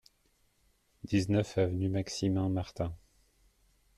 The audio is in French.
dix-neuf avenue Maximin Martin